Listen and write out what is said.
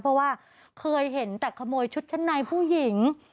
เพราะว่าเคยเห็นแต่ขโมยชุดชั้นในผู้หญิง